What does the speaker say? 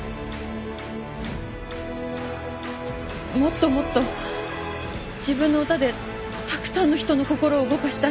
もっともっと自分の歌でたくさんの人の心を動かしたい。